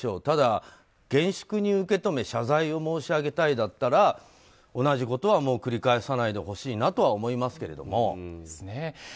ただ、厳粛に受け止め謝罪を申し上げたいだったら同じことはもう繰り返さないでほしいなとは思いますけど。